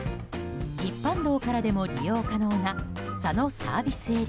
一般道からでも利用可能な佐野ＳＡ。